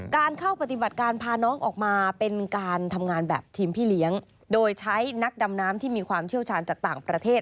การเข้าปฏิบัติการพาน้องออกมาเป็นการทำงานแบบทีมพี่เลี้ยงโดยใช้นักดำน้ำที่มีความเชี่ยวชาญจากต่างประเทศ